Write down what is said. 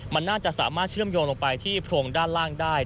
มันน่าจะสามารถเชื่อมโยงลงไปที่โพรงด้านล่างได้